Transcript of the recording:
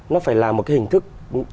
nó phải là một hình thức